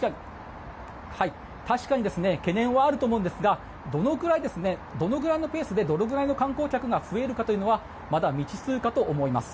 確かに懸念はあると思うんですがどのくらいのペースでどのぐらいの観光客が増えるかというのはまだ未知数かと思います。